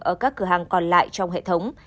ở các cửa hàng còn lại trong hệ thống